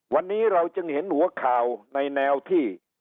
วันนี้เราจึงเห็นหัวข่าวในแนวที่